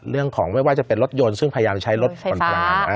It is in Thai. เรื่องของไม่ว่าจะเป็นรถยนต์ซึ่งพยายามจะใช้รถผ่อนคลาน